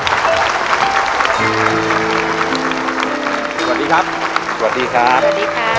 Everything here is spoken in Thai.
สวัสดีครับสวัสดีครับสวัสดีครับสวัสดีครับ